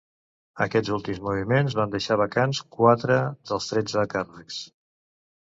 Aquests últims moviments van deixar vacants quatre dels tretze càrrecs.